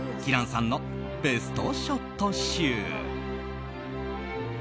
さんのベストショット集。